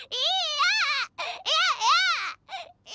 嫌！